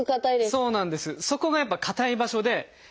そこがやっぱ硬い場所で。